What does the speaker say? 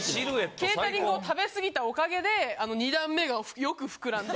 ケータリングを食べ過ぎたおかげで２段目がよく膨らんで。